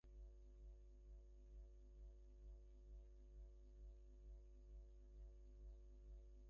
এবার তিনি অ্যালবামটি ফেব্রুয়ারি মাসে ভালোবাসা দিবসের আগেই বাজারে ছাড়তে চান।